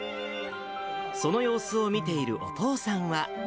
その様子を見ているお父さんは。